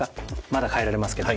まだ変えられますけど。